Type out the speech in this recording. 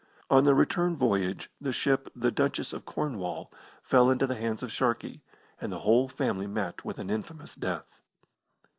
On their return voyage the ship, the Duchess of Cornwall, fell into the hands of Sharkey, and the whole family met with an infamous death.